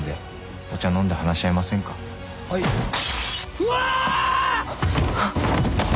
「うわ！」